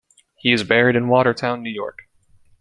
He is buried in Watertown, New York.